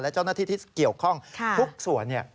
และเจ้าหน้าที่ที่เกี่ยวข้องทุกส่วน